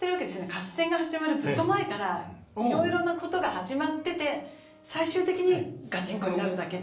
合戦が始まるずっと前からいろいろなことが始まってて最終的にガチンコになるだけで。